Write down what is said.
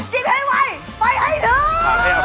กินให้ไหวไปให้ถึง